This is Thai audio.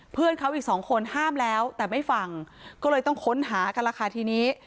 เพื่อนเขาอีกสองคนห้ามแล้วแต่ไม่ฟังก็เลยต้องค้นหากันล่ะค่ะทีนี้